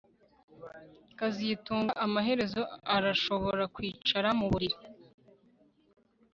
kazitunga amaherezo arashobora kwicara mu buriri